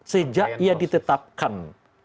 sejak ia ditetapkan